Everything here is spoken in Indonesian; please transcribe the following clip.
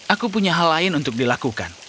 aku punya hal lain untuk dilakukan